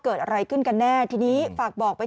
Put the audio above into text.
เกิดอะไรขึ้นกันแน่ทีนี้